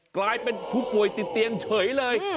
กลายเป็นผู้ป่วยติดเตียงเฉยเลย